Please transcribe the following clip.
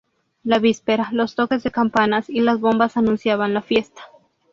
La víspera, los toques de campanas y las bombas anunciaban la fiesta.